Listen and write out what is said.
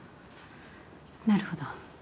なるほど。